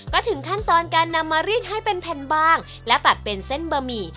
ก็ถึงขั้นตอนการนำมารีดให้เป็นแผ่นบางและตัดเป็นเส้นบะหมี่